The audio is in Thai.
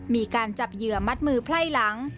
มีการจับเหยื่อมัดมือไพร่หลัง